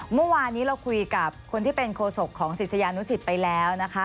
เมื่อวานนี้เราคุยกับคนที่เป็นโคศกของศิษยานุสิตไปแล้วนะคะ